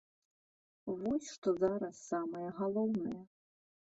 Вось што зараз самае галоўнае.